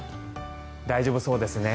大丈夫そうですね。